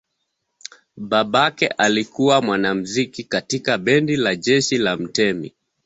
Babake alikuwa mwanamuziki katika bendi la jeshi la mtemi.